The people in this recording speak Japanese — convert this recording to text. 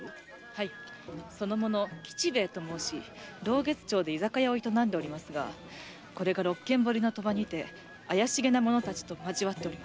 はいその者吉兵衛と申し露月町で居酒屋を営んでいますがこれが六間堀の賭場にて怪しげな者達と交わっております。